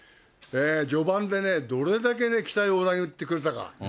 序盤でね、どれだけ期待を裏切ってくれたか。